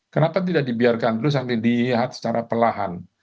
kenapa tidak dibiarkan dulu sampai dilihat secara perlahan